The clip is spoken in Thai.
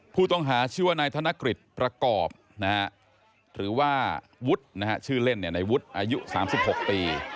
ผู้ต้องหาชื่อว่านายธนกฤษประกอบหรือว่าวุฒิชื่อเล่นในวุฒิอายุ๓๖ปี